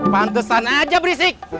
pantesan aja berisik